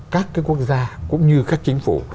các cái quốc gia cũng như các chính phủ